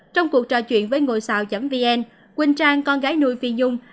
trong cuộc trò chuyện với ngôi sao vn quỳnh trang con gái nuôi phi dung